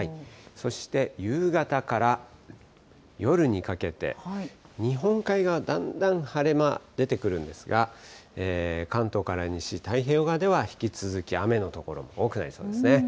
そして、夕方から夜にかけて、日本海側、だんだん晴れ間、出てくるんですが、関東から西、太平洋側では引き続き雨の所も多くなりそうですね。